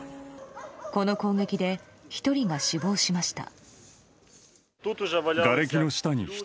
この攻撃で１人が死亡しました。